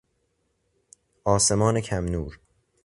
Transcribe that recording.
آسمان کمنور